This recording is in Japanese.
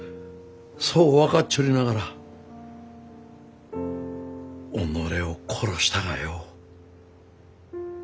そう分かっちょりながら己を殺したがよ。